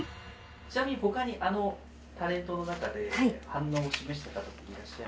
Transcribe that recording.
ちなみに他にあのタレントの中で反応を示した方っていらっしゃいました？